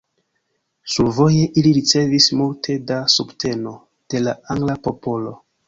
Sur voje ili ricevis multe da subteno de la angla popolo.